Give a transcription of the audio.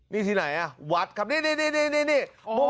นี่ทีไหนอะวัดครับนี่นี่นี่นี่อ๋อ